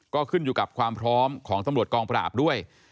ก็ขึ้นอยู่กับความพร้อมของตำรวจกองปราบด้วย